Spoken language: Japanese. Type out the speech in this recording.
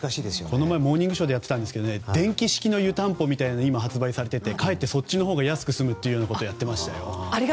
この前「モーニングショー」でやっていたんですけど電気式の湯たんぽが今、発売されていてかえってそっちのほうが安く済むってやってましたよ。